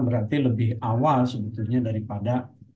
berarti lebih awal sebetulnya daripada